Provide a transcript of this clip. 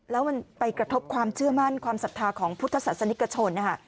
แล้วมันไปกระทบความเชื่อมั่นความศรัทธาของพุทธศาสนิกชนนะคะ